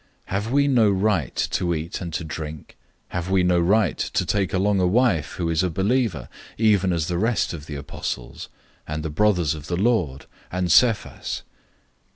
009:004 Have we no right to eat and to drink? 009:005 Have we no right to take along a wife who is a believer, even as the rest of the apostles, and the brothers of the Lord, and Cephas?